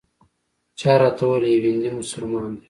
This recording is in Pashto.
چا راته وویل یو هندي مسلمان دی.